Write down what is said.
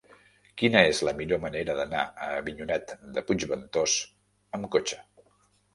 Quina és la millor manera d'anar a Avinyonet de Puigventós amb cotxe?